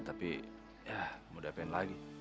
tapi ya mudah pengen lagi